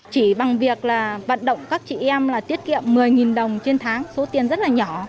chỉ bằng việc là vận động các chị em là tiết kiệm một mươi đồng trên tháng số tiền rất là nhỏ